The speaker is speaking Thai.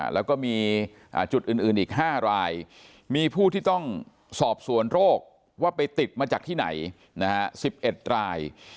แล้วก็มีจุดอื่นอีก๕รายมีผู้ที่ต้องสอบสวนโรคว่าไปติดมาจากที่ไหน๑๑ราย